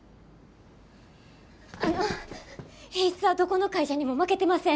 あの品質はどこの会社にも負けてません。